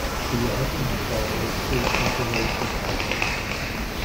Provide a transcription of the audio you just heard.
The album followed three compilation albums.